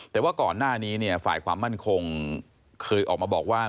แต่ว่าก่อนหน้านี้เนี่ยฝ่ายความมั่นคงเคยออกมาบอกว่า